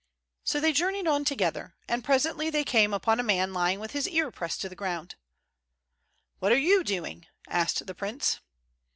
So they journeyed on together, and presently they came upon a man lying with his ear pressed to the ground. "What are you doing?" asked the prince.